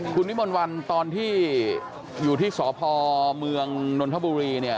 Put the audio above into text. คุณวิมนต์วันตอนที่อยู่ที่สพเมืองนนทบุรีเนี่ย